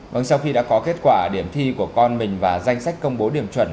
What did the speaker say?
vâng sau khi đã có kết quả điểm thi của con mình và danh sách công bố điểm chuẩn